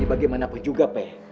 ya bagaimana pun juga peh